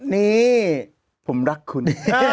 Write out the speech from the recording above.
นี่ผมรักคุณ